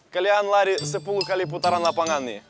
kalian lari sepuluh kali putaran lapangan ini